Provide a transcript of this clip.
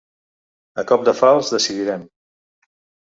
A cop de falç, decidirem.